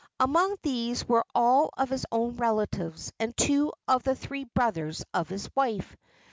Among these were all of his own relatives and two of the three brothers of his wife.